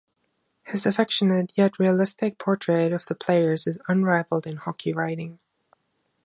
His affectionate yet realistic portrait of the players is unrivalled in hockey writing.